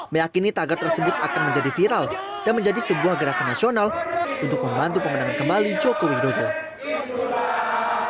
meyakini tagar tersebut akan menjadi viral dan menjadi sebuah gerakan nasional untuk membantu pemenang kembali jokowi dua periode